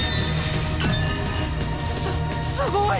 すすごい！